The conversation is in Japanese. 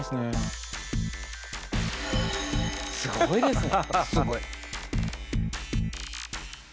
すごいですね。